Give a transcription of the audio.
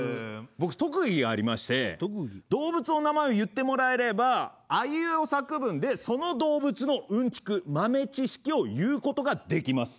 僕特技がありまして動物の名前を言ってもらえればあいうえお作文でその動物のうんちく豆知識を言うことができます。